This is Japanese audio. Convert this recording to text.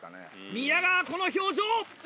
宮川この表情。